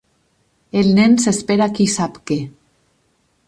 El nen s'espera qui sap què.